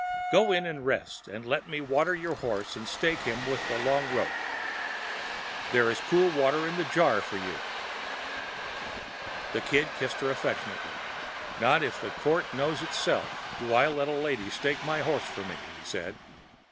Go in and rest, and let me water your horse and stake him with the long rope. There is cool water in the jar for you." The Kid kissed her affectionately. "Not if the court knows itself do I let a lady stake my horse for me," said he.